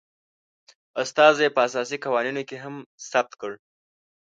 استازو یي په اساسي قوانینو کې هم ثبت کړ